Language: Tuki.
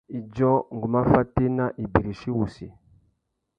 Idjô, ngu má fatēna ibirichi wussi.